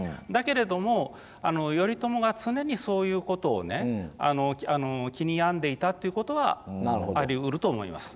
だけれども頼朝が常にそういうことを気に病んでいたっていうことはありうると思います。